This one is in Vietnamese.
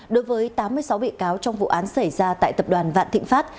đối với tám mươi sáu bị cáo trong vụ án xảy ra tại tập đoàn vạn thịnh pháp